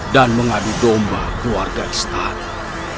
dan mengadu domba keluarga istana